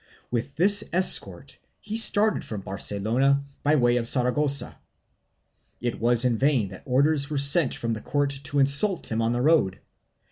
With this escort he started from Barcelona by way of Saragossa. It was in vain that orders were sent from the court to insult him on the road.